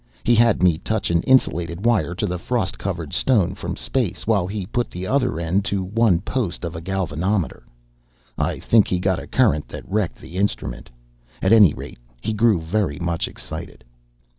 He had me touch an insulated wire to the frost covered stone from space, while he put the other end to one post of a galvanometer. I think he got a current that wrecked the instrument. At any rate, he grew very much excited.